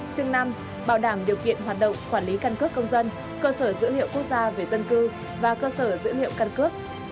chương năm bảo đảm điều kiện hoạt động quản lý căn cước công dân cơ sở dữ liệu quốc gia về dân cư và cơ sở dữ liệu căn cước